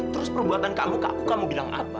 terus perbuatan kamu kakak kamu bilang apa